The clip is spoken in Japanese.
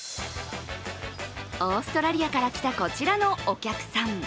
オーストラリアから来たこちらのお客さん。